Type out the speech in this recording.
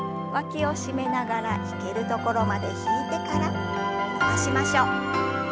わきを締めながら引けるところまで引いてから伸ばしましょう。